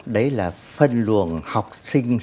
đấy là phân luồng học sinh